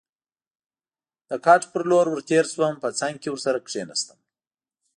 د کټ په لور ور تېر شوم، په څنګ کې ورسره کېناستم.